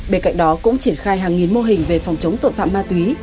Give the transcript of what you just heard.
bên cạnh đó cũng triển khai hàng nghìn mô hình về phòng chống tội phạm ma túy